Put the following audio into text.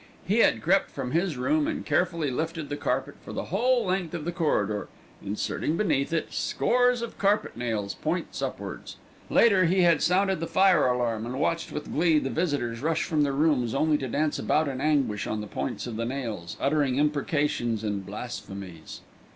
He had crept from his room and carefully lifted the carpet for the whole length of the corridor, inserting beneath it scores of carpet nails points upwards; later he had sounded the fire alarm and watched with glee the visitors rush from their rooms only to dance about in anguish on the points of the nails, uttering imprecations and blasphemies.